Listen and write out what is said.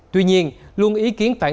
tuy nhiên luôn ý kiến phản ứng